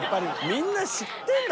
みんな知ってんだ